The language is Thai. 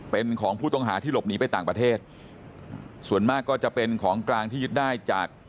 เป็นของผู้ต้องหาที่หลบหนีไปต่างประเทศส่วนมากก็จะเป็นของกลางที่ยึดได้จาก